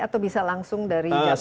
atau bisa langsung dari jakarta